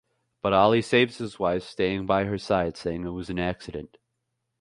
But Ali saves his wife staying by her side saying it was an accident.